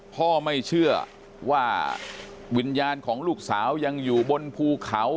พ่อไม่เชื่อว่าวิญญาณของลูกสาวยังอยู่บนภูเขา